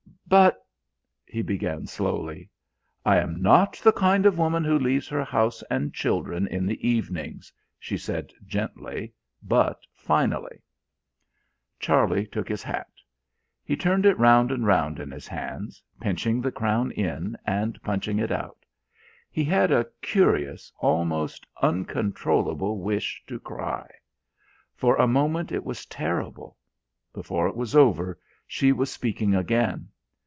"But," he began slowly. "I am not the kind of woman who leaves her house and children in the evenings," she said gently, but finally. Charlie took his hat. He turned it round and round in his hands, pinching the crown in, and punching it out. He had a curious, almost uncontrollable wish to cry. For a moment it was terrible. Before it was over, she was speaking again.